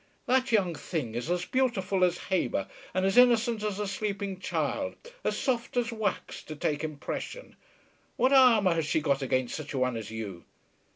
That young thing is as beautiful as Habe, as innocent as a sleeping child, as soft as wax to take impression. What armour has she got against such a one as you?"